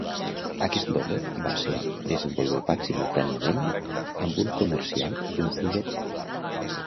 Aquest logo va ser desenvolupat simultàniament amb un comercial i un fullet.